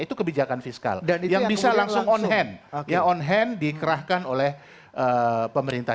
itu kebijakan fiskal yang bisa langsung on hand ya on hand dikerahkan oleh pemerintah